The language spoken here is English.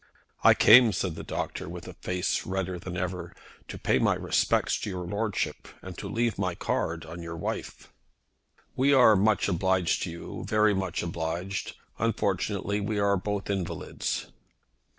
"I came," said the doctor, with a face redder than ever, "to pay my respects to your Lordship, and to leave my card on your wife." "We are much obliged to you, very much obliged. Unfortunately we are both invalids."